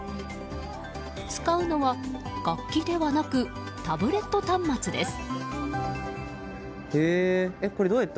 使うのは楽器ではなくタブレット端末です。